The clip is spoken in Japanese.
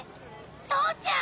父ちゃん！